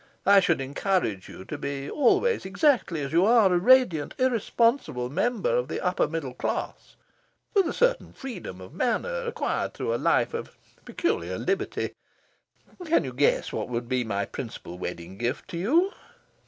I should encourage you to be always exactly as you are a radiant, irresistible member of the upper middle class, with a certain freedom of manner acquired through a life of peculiar liberty. Can you guess what would be my principal wedding gift to you?